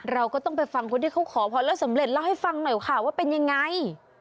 เราก็ต้องไปฟังคนที่เขาขอพรแล้วสำเร็จเล่าให้ฟังหน่อยค่ะว่าเป็นยังไง